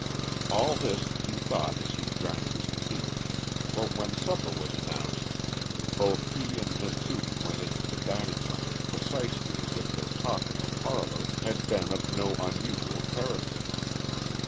All this he thought as he drank his tea; for when supper was announced both he and Miss Sudie went into the dining room precisely as if their talk in the parlor had been of no unusual character.